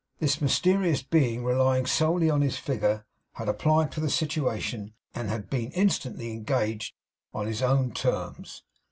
This mysterious being, relying solely on his figure, had applied for the situation, and had been instantly engaged on his own terms.